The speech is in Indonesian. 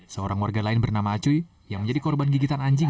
seorang warga lain bernama acuy yang menjadi korban gigitan anjing